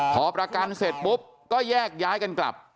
พอประกันเสร็จปุ๊บก็แยกย้ายกันกลับ